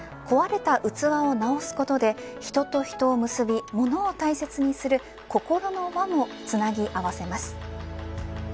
壊れた器を直すことで人と人を結び、ものを大切にする心の輪もつなぎ合わせます。